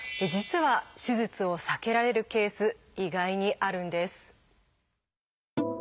実は手術を避けられるケース意外にあるんです。